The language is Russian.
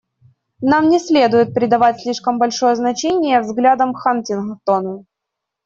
Нам не следует придавать слишком большое значение взглядам Хантингтона.